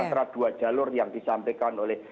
antara dua jalur yang disampaikan oleh